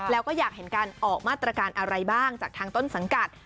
แล้วก็อยากเห็นการออกมาตรการอะไรบ้างจากทางต้นสังกัด